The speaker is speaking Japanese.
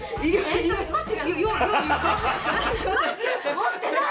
持ってない！